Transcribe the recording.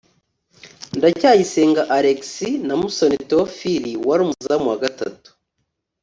Ndacyayisenga Alexis na Musoni Theophile wari umuzamu wa gatatu